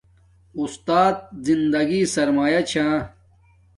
اُستات زندگی سرمایہ چھا